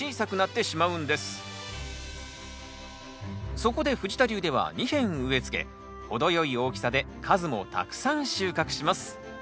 そこで藤田流では２片植え付け程よい大きさで数もたくさん収穫します